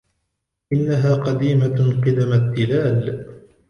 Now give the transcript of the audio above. إنها قديمة قِدم التِلال.